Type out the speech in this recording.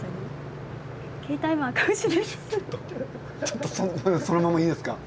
ちょっとそのままいいですか？